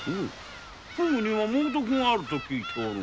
フグには猛毒があると聞いておるが？